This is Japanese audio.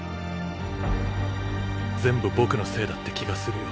全部僕のせいだって気がするよ。